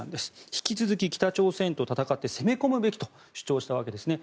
引き続き北朝鮮と戦って攻め込むべきと主張したわけですね。